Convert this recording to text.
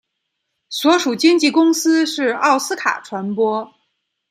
所属经纪公司是奥斯卡传播。